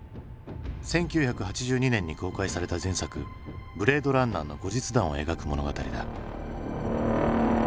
１９８２年に公開された前作「ブレードランナー」の後日談を描く物語だ。